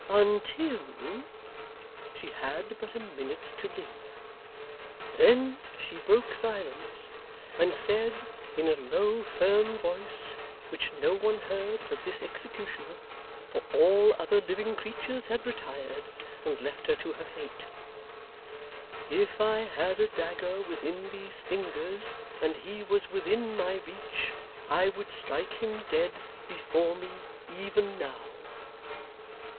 'Until she had but a minute to live. Then she broke silence, and said, in a low firm voice which no one heard but this executioner, for all other living creatures had retired and left her to her fate, "If I had a dagger within these fingers and he was within my reach, I would strike him dead before me, even now!"